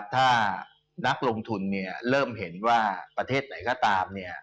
ถ้านักลงทุนเริ่มเห็นว่าประเทศไหนก็ตาม